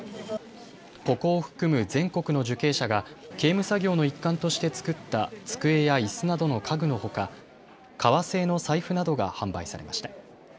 ここを含む全国の受刑者が刑務作業の一環として作った机やいすなどの家具のほか革製の財布などが販売されました。